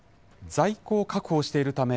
在庫を確保しているため、